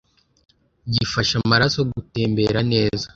gifasha amaraso gutembera neza